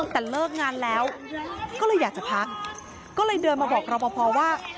แต่เลิกงานแล้วก็เลยอยากจะพักก็เลยเดินมาบอกรอปภว่า